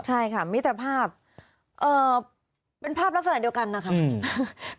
ใช่ค่ะมิตรภาพเอ่อเป็นภาพลักษณะเดียวกันนะครับอืม